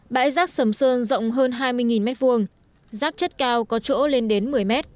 bãi rác sầm sơn rộng hơn hai mươi m hai rác chất cao có chỗ lên đến một mươi m